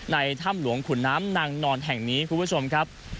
ในธรรมหลวงขนน้ำนางนอนแห่งนี้ครับ